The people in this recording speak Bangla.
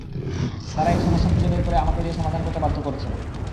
তারাই সমস্যা খুঁজে বের করে আমাকে দিয়ে সমাধান করতে বাধ্য করছেন।